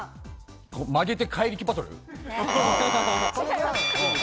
曲げて怪力バトル。